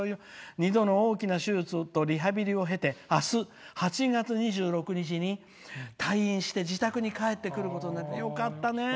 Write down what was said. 「２度の大きな出術とリハビリを経て８月２６日に退院して自宅に帰ってくることに。